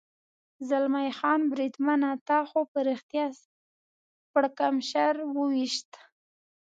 زلمی خان: بریدمنه، تا خو په رښتیا سر پړکمشر و وېشت.